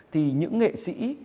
thì những nghệ sĩ